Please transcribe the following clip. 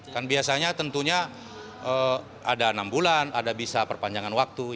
kan biasanya tentunya ada enam bulan ada bisa perpanjangan waktu